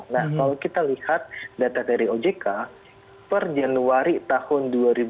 nah kalau kita lihat data dari ojk per januari tahun dua ribu dua puluh